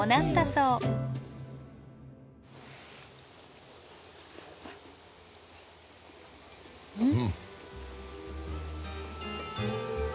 うん！